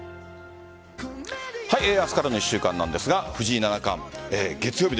明日からの１週間なんですが藤井七冠、月曜日